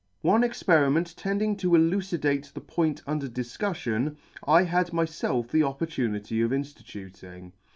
One experiment tending to elucidate the point under difcuffion, I had myfelf an opportunity of inftituting.